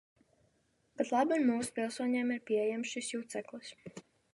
Patlaban mūsu pilsoņiem ir pieejams šis juceklis.